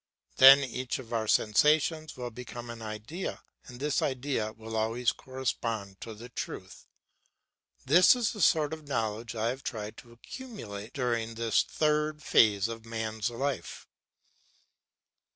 Then each of our sensations will become an idea, and this idea will always correspond to the truth. This is the sort of knowledge I have tried to accumulate during this third phase of man's life.